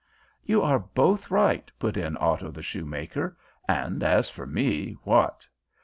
"You are both right," put in Otto the Shoemaker. "And as for me, what?